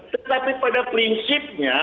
tetapi pada prinsipnya